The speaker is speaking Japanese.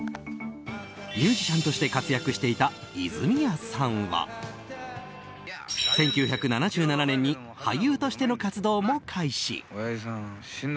ミュージシャンとして活躍していた泉谷さんは１９７７年に俳優としての活動も開始。